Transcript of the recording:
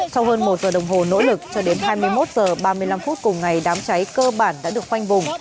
sau hơn một giờ đồng hồ nỗ lực cho đến hai mươi một h ba mươi năm phút cùng ngày đám cháy cơ bản đã được khoanh vùng